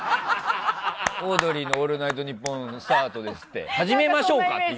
オードリーの「オールナイトニッポン」スタートですって。